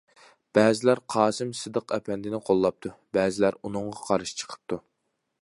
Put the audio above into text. بەزىلەر قاسىم سىدىق ئەپەندىنى قوللاپتۇ، بەزىلەر، ئۇنىڭغا قارىشى چىقىپتۇ.